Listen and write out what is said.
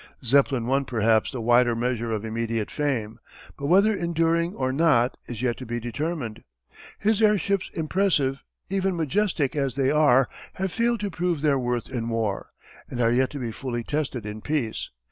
Zeppelin won perhaps the wider measure of immediate fame, but whether enduring or not is yet to be determined. His airships impressive, even majestic as they are, have failed to prove their worth in war, and are yet to be fully tested in peace.